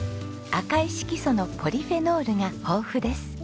赤い色素のポリフェノールが豊富です。